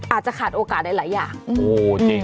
อาจจะขาดโอกาสหลายอย่าง